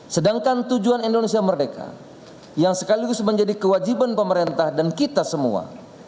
sedangkan tujuan indonesia merdeka yang sekaligus menjadi kewajiban pemerintah dan kita semua